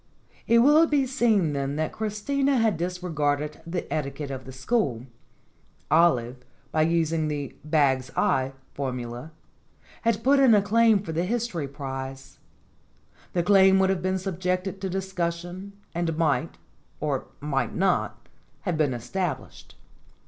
It will be seen, then, that Christina had disregarded the etiquette of the school. Olive, by using the "Bags 122 STORIES WITHOUT TEARS I" formula, had put in a claim for the history prize. That claim would have been subjected to discussion, and might, or might not, have been established.